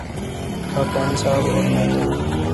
خاکوانی صاحب اور میں تو ہیں۔